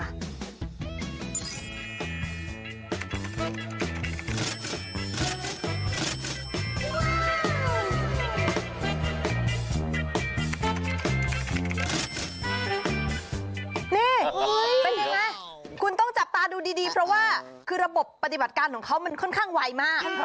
นี่เป็นยังไงคุณต้องจับตาดูดีเพราะว่าคือระบบปฏิบัติการของเขามันค่อนข้างไวมาก